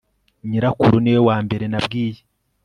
nyirakuru niwe wambere nabwiye